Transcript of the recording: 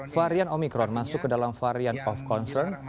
varian omikron masuk ke dalam varian of concern